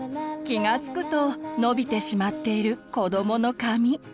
気がつくと伸びてしまっている子どもの髪。